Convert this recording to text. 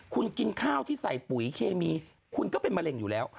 คุณกินข้าวที่ใส่ปุ๋ยเคมีคุณก็เป็นมะเร็งอยู่แล้ว